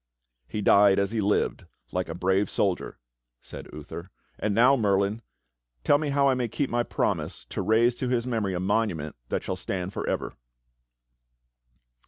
"He died as he lived, like a brave soldier," said Uther. "And now, Merlin, tell me how I may keep my promise to raise to his mem ory a monument that shall stand forever."